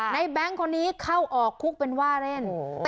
แบงค์คนนี้เข้าออกคุกเป็นว่าเล่น